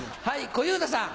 小遊三さん。